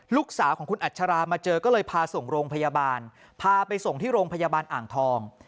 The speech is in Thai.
ลูกสาวของคุณอัชรามาเจอก็เลยพาส่งโรงพยาบาลพาไปส่งที่โรงพยาบาลอ่างทอง